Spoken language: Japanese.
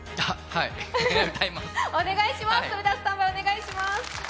歌のスタンバイ、お願いします。